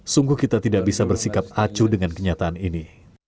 sungguh kita tidak bisa bersikap acu dengan kenyataan ini